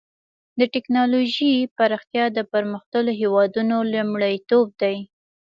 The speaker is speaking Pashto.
د ټکنالوجۍ پراختیا د پرمختللو هېوادونو لومړیتوب دی.